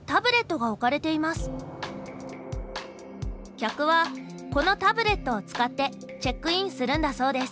客はこのタブレットを使ってチェックインするんだそうです。